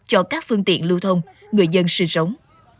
cho các phương tiện lưu thông người dân sinh sống